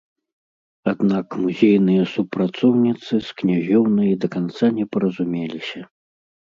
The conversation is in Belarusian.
Аднак музейныя супрацоўніцы з князёўнай да канца не паразумеліся.